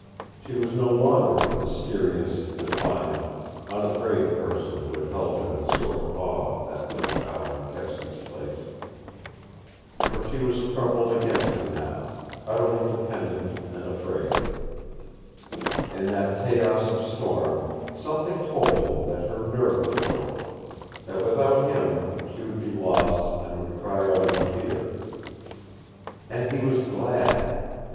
She was no longer the mysterious, defiant, unafraid person who had held him in a sort of awe that first hour in Kedsty's place. For she was crumpled against him now, utterly dependent and afraid. In that chaos of storm something told him that her nerve was broken, that without him she would be lost and would cry out in fear. AND HE WAS GLAD!